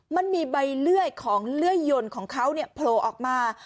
มันมีใบเลื่อยของเลื่อยยนต์ของเขาโผล่ออกมา